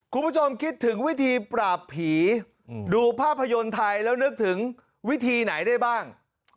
คุณผู้ชมคิดถึงวิธีปราบผีดูภาพยนตร์ไทยแล้วนึกถึงวิธีไหนได้บ้าง